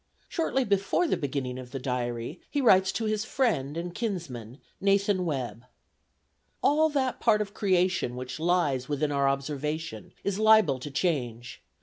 Shortly before the beginning of the Diary, he writes to his friend and kinsman, Nathan Webb: "All that part of creation which lies within our observation, is liable to change.